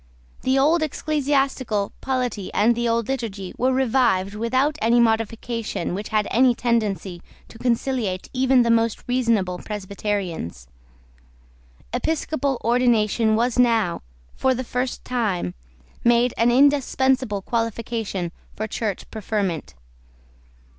The old ecclesiastical polity and the old Liturgy were revived without any modification which had any tendency to conciliate even the most reasonable Presbyterians. Episcopal ordination was now, for the first time, made an indispensable qualification for church preferment.